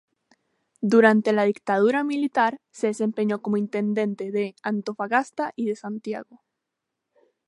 Durante la dictadura militar se desempeñó como intendente de Antofagasta y de Santiago.